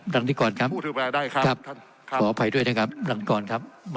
บางทีก่อนครับขออภัยด้วยนะครับบางทีก่อนครับ